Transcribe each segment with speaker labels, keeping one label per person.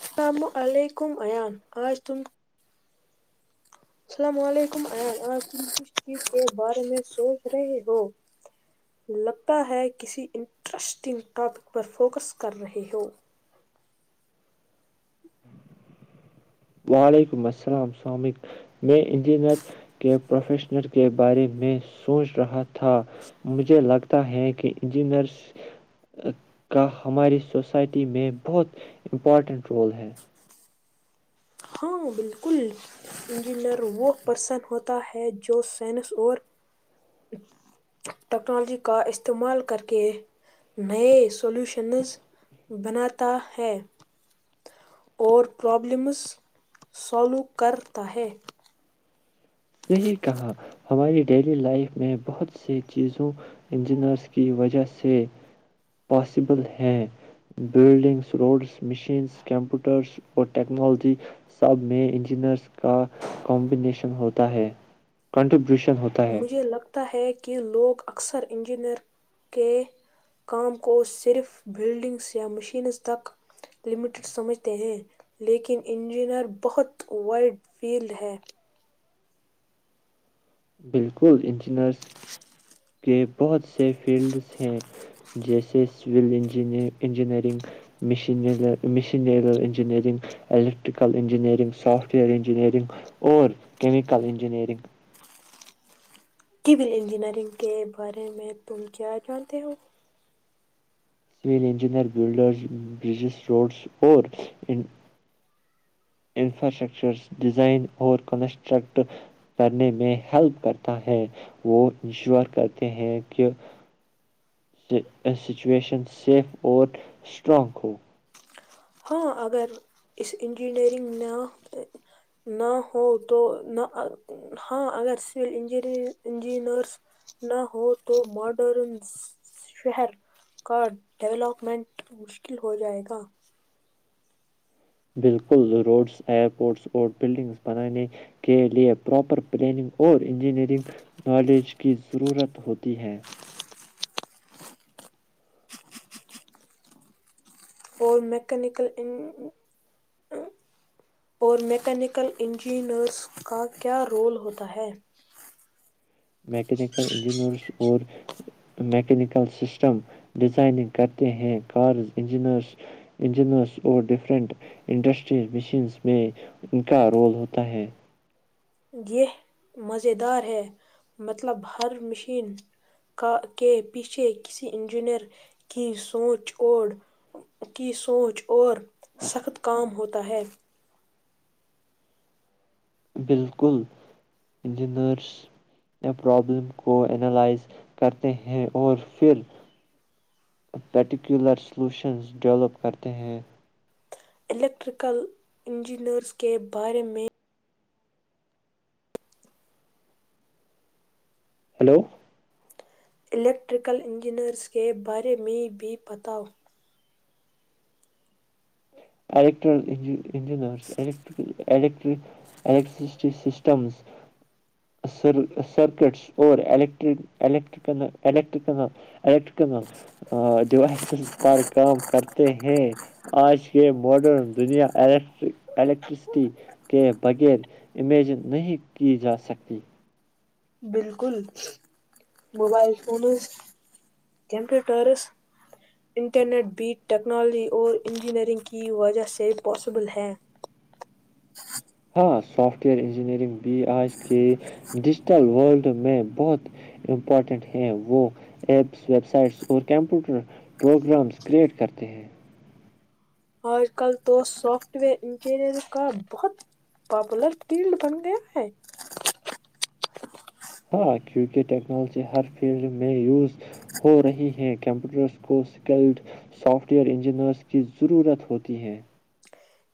Speaker 1: السلام علیکم عیان آج تم اللام علیکم آپ تم کس چیز کے بارے میں سوچ رہے ہو لگتا ہے کسی انٹرسٹنگ ٹاپک پر فوکس کر رہے ہو
Speaker 2: وعلیکم السلام سامک میں انجینئر کے پروفیشنر کے بارے میں سوچ رہا تھا مجھے لگتا ہے کہ انجینئر کا ہماری سوسائٹی میں بہت امپورٹنٹ رول ہے
Speaker 1: ہاں بالکل انجینئر وہ پرسن ہوتا ہے جو سائنس اور ٹیکنالوجی کا استعمال کر کے نئے سلیوشنز بناتا ہے اور پرابلمس سالو کرتا ہے
Speaker 2: صحیح کہا ہماری ڈیلی لائف میں بہت سی چیزوں انجینئرس کی وجہ سے پاسیبل ہیں بلڈنگس روڈس مشینس کمپیوٹرس اور ٹیکنالوجی سب میں انجینئرس کا کمبینیشن ہوتا ہے کنٹریبیوشن ہوتا ہے
Speaker 1: مجھے لگتا ہے کہ لوگ اکثر انجینئر کے کام کو صرف بلڈنگس یا مشینز تک لمیٹڈ سمجھتے ہیں لیکن انجینئر بہت وائڈ فیلڈ ہے
Speaker 2: بالکل ان بچنس کے بہت سے فیلڈس ہیں جیسے سول ان انجینئرنگ مین mechanical engineering electrical engineering software engineering اور کیمیکل انجینئرنگ
Speaker 1: کییول انجینئرنگ کے بارے میں تم کیا جانتے ہو
Speaker 2: civil engineer builders bridges roads اور انفراسٹرکچر ڈیزائن اور کنسٹرکٹ کرنے میں ہیلپ کرتا ہے وہ انشور کرتے ہیں کہ سچویشن سیف اور اسٹرانگ ہو
Speaker 1: ہاں اگر اس انجینئرنگ نہ نہ ہو تو نہ ہاں اگر سول انج انجینئرس نہ ہوں تو ماڈرن شہر کا ڈیولپمنٹ مشکل ہو جائے گا
Speaker 2: بالکل روڈز ائرپورٹس اور بلڈنگز بنانے کے لئے پراپر پلاننگ اور انجینئرنگ نالج کی ضرورت ہوتی ہے
Speaker 1: اور اور میکینیکل انجینئرز کا کیا رول ہوتا ہے
Speaker 2: میکینیکل انجینئرز اور میکینیکل سسٹم ڈیزائننگ کرتے ہیں کارز انجینئرس اور ڈفرنٹ انڈسٹریز مشینس میں ان کا رول ہوتا ہے
Speaker 1: یہ مزیدار ہے مطلب ہر مشین کا کے پیچھے کسی انجینئر کی سوچ اور کی سوچ اور سخت کام ہوتا ہے
Speaker 2: بالکل انجینئرسیا پرابلم کو اینالائز کرتے ہیں اور پھر پٹیکولر سلوشنز ڈیولپ کرتے ہیں
Speaker 1: الیکٹریکل انجینئرز کے بارے میں
Speaker 2: ہلو
Speaker 1: الیکٹریکل انجینئرس کے بارے میں بھی بتاؤ
Speaker 2: الٹر انجینرٹ الیکٹرس سسٹمزر سرکٹس اورر الٹریک الیکٹریکل ڈیوائسز پر کام کرتے ہیں آج کے ماڈرن دنیا الیکٹرک الیکٹرسٹی کے بغیر امیجن نہیں کی جا سکتی
Speaker 1: بالکل موبائل فونز کمپیوٹرز انٹرنیٹ بیٹ ٹیکنالوجی اور انجینئرنگ کی وجہ سے پاسبل ہیں
Speaker 2: سافٹ ویئر انجینئرنگ بھی آج کے ڈیجیٹل ورلڈ میں بہت امپارٹنٹ ہیں وہ ایپس ویب سائٹس اور کمپیوٹر پروگرامس کریئٹ کرتے ہیں
Speaker 1: آج کل تو سافٹ ویئر انجینئر کا بہت پاپولر فیلڈ بن گیا ہے
Speaker 2: ہاں کیونکہ ٹیکنالوجی ہر فیلڈ میں یوز ہو رہی ہے کمپیوٹرز کو سکلڈ سافٹ ویئر انجینئرز کی ضرورت ہوتی ہے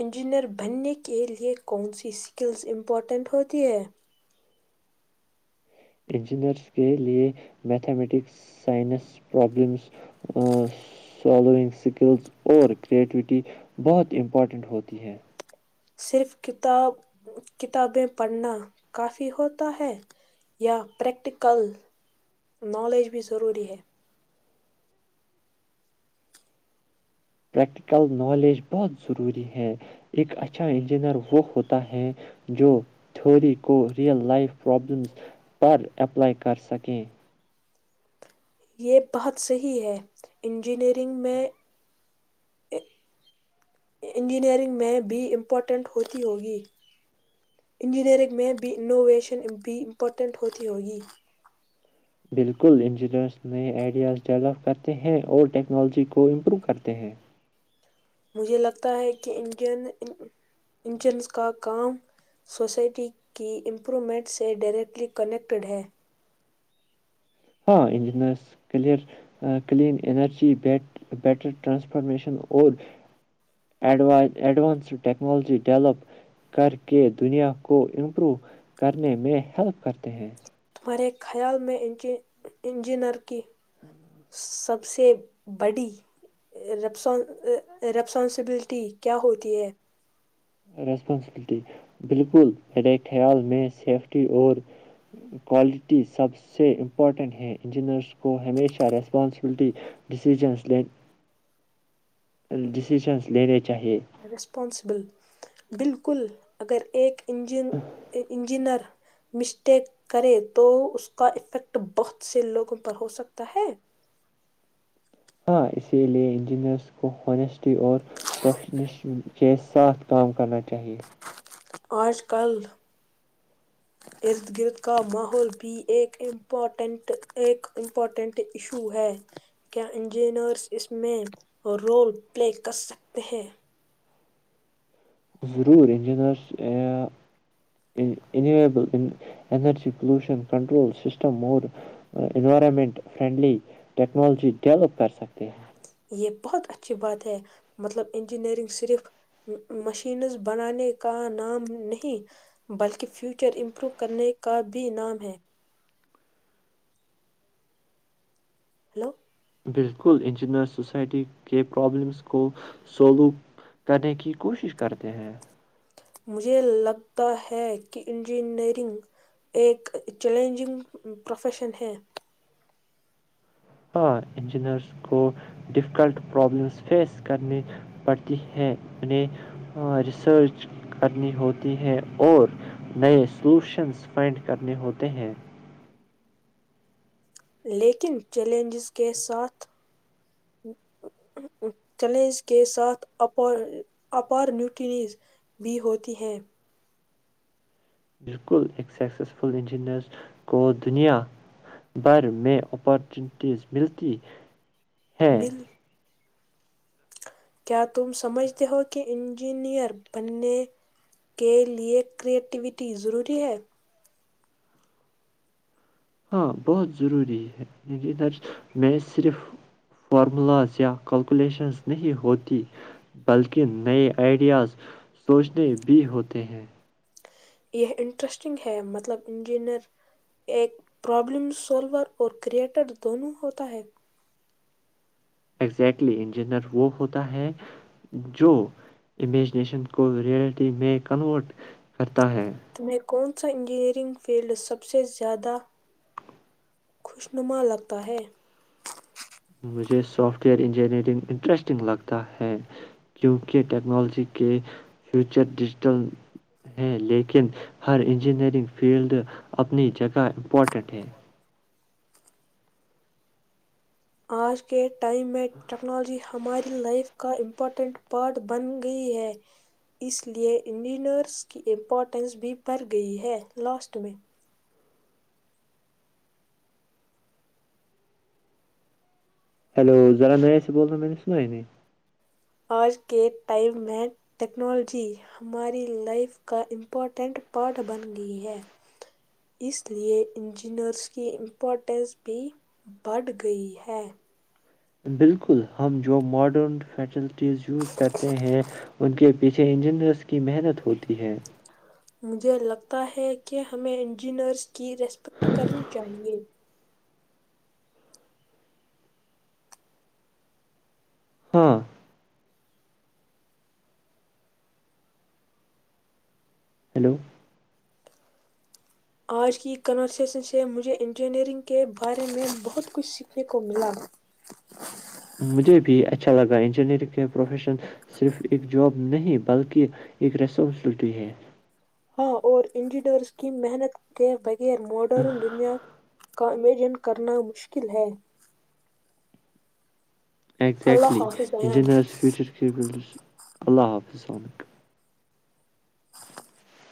Speaker 1: انجینئر بننے کے لیے کون سی اسکلس امپورٹنٹ ہوتی ہے
Speaker 2: انجینئرس کے لئے mathematics science problems solving skills اور کریٹیوٹی بہت امپارٹنٹ ہوتی ہے
Speaker 1: صرف کتاب کتابیں پڑھنا کافی ہوتا ہے یا پریکٹیکل نالج بھی ضروری ہے
Speaker 2: پریکٹیکل نالج بہت ضروری ہے ایک اچھا انجینئر وہ ہوتا ہے جو تھیوری کو ریئل لائف پرابلمس پر اپلائی کر سکیں
Speaker 1: یہ بہت صحیح ہے انجینئرنگ میں انجینئرنگ میں بھی امپورٹنٹ ہوتی ہوگی انجینئرنگ میں بھی انوویشن بھی امپورٹنٹ ہوتی ہوگی
Speaker 2: بالکل انجینئرز نئے آئیڈیاز ڈیولپ کرتے ہیں اور ٹیکنالوجی کو امپروو کرتے ہیں
Speaker 1: مجھے لگتا ہے کہ انجن انجنس کا کام سوسائٹی کی امپرومنٹ سے ڈائریکٹلی کنیکٹیڈ ہے
Speaker 2: ہاں انجینئرس کلیئ کلین انرجی بیٹر ٹرانسفارمیشن اور ایڈوانس ٹیکنالوجی ڈیولپ کر کے دنیا کو امپرو کرنے میں ہیلپ کرتے ہیں
Speaker 1: میرے خیال میں ان انجینئر کی
Speaker 2: ہاں
Speaker 1: سب سے بڑی ریسپانسبلٹی کیا ہوتی ہے
Speaker 2: ریسپانسبلٹی بالکل میرے خیال میں سیفٹی اور کوالٹی سب سے امپورٹنٹ ہے انجینئرس کو ہمیشہ ریسپانسبلٹی ڈ ڈسیزنس لینے چاہیے
Speaker 1: ریسپانسبل بالکل اگر ایک انجن انجینر مسٹیک کریں تو اس کا افیکٹ بہت سے لوگوں پر ہو سکتا ہے
Speaker 2: ہاں اسی لیے انجینئرس کو ہونیسٹی اور پروفیشنش کےس ساتھ کام کرنا چاہیے
Speaker 1: آج کل ارد گرد کا ماحول بھی ایک امپورٹنٹ ایک امپورٹنٹ ایشو ہے کیا انجینئرز اس میں رول پلے کر سکتے ہیں
Speaker 2: ضرور انجینئرسبل انرجی پولوشن کنٹرول سسٹم اور انوائرمنٹ فرینڈلی ٹیکنالوجی ڈیولپ کر سکتے ہیں
Speaker 1: یہ بہت اچھی بات ہے مطلب انجینئرنگ صرف مشینز بنانے کا نام نہیں بلکہ فیوچر امپروو کرنے کا بھی نام ہے ہیلو
Speaker 2: بالکل انجینئر سوسائٹی کے پرابلمس کو سولوو کرنے کی کوشش کرتے ہیں
Speaker 1: مجھے لگتا ہے کہ انجینئرنگ ایک چیلنجنگ پروفیشن ہے
Speaker 2: ہاں انجینئرس کو ڈفیکلٹ پرابلمس فیس کرنی پڑتی ہیں انہیں ریسرچ کرنی ہوتی ہیں اور نئے سلوشنس فائنڈ کرنے ہوتے ہیں
Speaker 1: لیکن چیلنجز کے ساتھ چیلنج کے ساتھ اپ اپارنیوٹیز بھی ہوتی ہیں
Speaker 2: بالکل ایک سکسیسفل انجینئر کو دنیا بھر میں اپارچونیٹیز ملتی ہیں
Speaker 1: مل کیا تم سمجھتے ہو کہ انجینئر بننے کے لئے کریٹیویٹی ضروری ہے
Speaker 2: ہاں بہت ضروری ہے انجینئر میں صرف فارمولاز یا کلکولیشنز نہیں ہوتی بلکہ نئے آئیڈیاز سوچنے بھی ہوتے ہیں
Speaker 1: یہ انٹرسٹنگ ہے مطلب انجینئر ایک پرابلم سولور اور کریٹر دونوں ہوتا ہے
Speaker 2: ایزیکٹلی انجینئر وہ ہوتا ہے جو امیجینشن کو رئلٹی میں کنورٹ کرتے
Speaker 1: تمیں کون سا انجینئرنگ فیلڈ سب سے زیادہ خوشنما لگتا ہے
Speaker 2: مجھے سافٹ ویئر انجینئرنگ انٹرسٹنگ لگتا ہے کیونکہ ٹیکنالوجی کے فیوچر ڈیجیٹل ہیں لیکن ہر انجینئرنگ فیلڈ اپنی جگہ امپورٹنٹ ہے
Speaker 1: آ کی ٹائم ہے ٹیکنالوجی ہماری لائف کا امپورٹنٹ پارٹ بن گئی ہے اس لیے انجینئرس کی امپورٹینس بھی بڑھ گئی ہے لاسٹ میں
Speaker 2: ہیلو ذرا نیا سے بول رہے ہیں میں نے سنا ہی نہیں
Speaker 1: آج کے ٹائم میں ٹیکنالوجی ہماری لائف کا امپورٹنٹ پارٹ بن گئی ہے اس لیے انجینئرس کی امپورٹینس بھی بڑھ گئی ہے
Speaker 2: بالکل ہم جو ماڈرن فیشل ز یوز کرتے ہیں ان کے پیچھے انجینئرس کی محنت ہوتی ہے
Speaker 1: مجھے لگتا ہے کہ ہمیں انجینئرس کی ریسپیکٹ کرنی چاہیے
Speaker 2: ہاں ہیلو
Speaker 1: آج کی کنورسیشن سے مجھے انجینئرنگ کے بارے میں بہت کچھ سیکھنے کو ملا
Speaker 2: مجھے بھی اچھا لگا انجینئرنگ کا پروفیشن صرف ایک جاب نہیں بلکہ ایک ریسپانسبلٹی ہے
Speaker 1: ہاں اور انڈیڈورس کی محنت کے و کیر موڈر دنیا کا امیجن کرنا مشکل ہے اللہ
Speaker 2: ایگزیکٹلی
Speaker 1: حافظ ایان
Speaker 2: انجینرس فیوچر اللہ حافظل